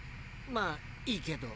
まあいいけど。